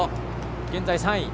現在３位。